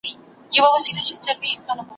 د خوشحال خټک په څېر لیونی نه یم.